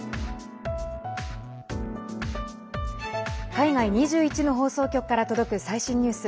海外２１の放送局から届く最新ニュース。